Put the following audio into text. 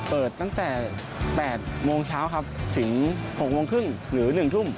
เปิดตั้งแต่๘โมงเช้าครับถึง๖โมงครึ่งหรือ๑ทุ่ม